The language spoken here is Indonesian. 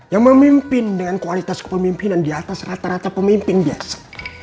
yang memimpin dengan kualitas kepemimpinan di atas rata rata pemimpin biasa